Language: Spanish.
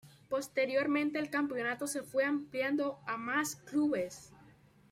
Posteriormente el campeonato se fue ampliando a más clubes.